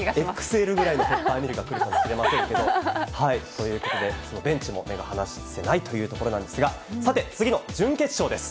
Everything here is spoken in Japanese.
ＸＬぐらいのペッパーミルがくるかもしれませんけど、ということで、ベンチも目が離せないというところなんですが、さて、次の準決勝です。